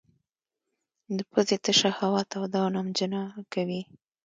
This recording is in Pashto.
د پزې تشه هوا توده او نمجنه کوي.